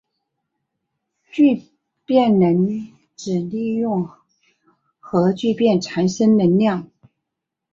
聚变能指利用核聚变产生能量。